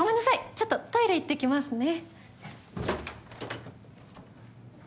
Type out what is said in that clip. ちょっとトイレ行ってきますね。